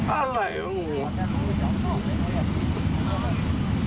อะไรวะงง